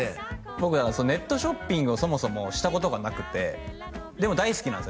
僕ネットショッピングをそもそもしたことがなくてでも大好きなんです